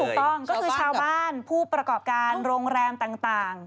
ถูกต้องก็คือชาวบ้านผู้ประกอบการโรงแรมต่าง